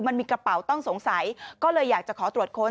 มันมีกระเป๋าต้องสงสัยก็เลยอยากจะขอตรวจค้น